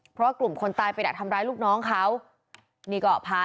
เพราะว่ากลุ่มคนตายไปดักทำร้ายลูกน้องเขานี่ก็พา